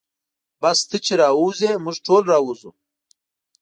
بس ته چې راووځې موږ ټول راوځو.